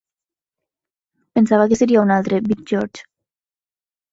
Pensava que seria un altre Big George.